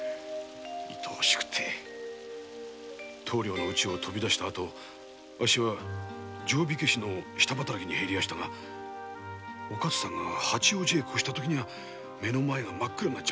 いとおしくって棟梁の家を飛び出した後あっしは定火消の下働きに入りましたがおかつさんが八王子へ越した時は目の前が真っ暗。